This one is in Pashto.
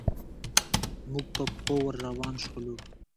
موږ په پښو ور روان شولو.